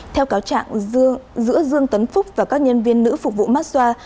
theo cáo trạng giữa dương tấn phúc và các nhân viên nữ phục vụ mát xoa